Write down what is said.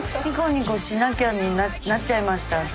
ニコニコしなきゃになっちゃいました。